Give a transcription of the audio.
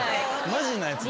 マジなやつだ。